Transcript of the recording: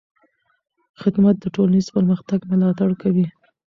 خدمت د ټولنیز پرمختګ ملاتړ کوي.